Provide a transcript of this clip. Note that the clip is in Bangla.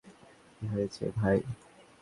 কী হয়েছে, ভাই?